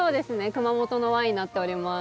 熊本のワインになっています。